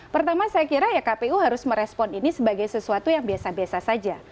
pertama saya kira ya kpu harus merespon ini sebagai sesuatu yang biasa biasa saja